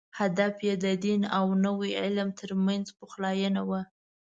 هدف یې د دین او نوي علم تر منځ پخلاینه وه.